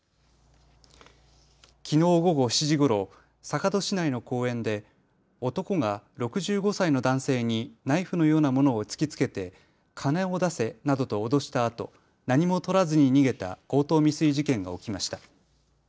きのう午後７時ごろ、坂戸市内の公園で男が６５歳の男性にナイフのようなものを突きつけて金を出せなどと脅したあと何もとらずに逃げた強盗未遂事件が起きました。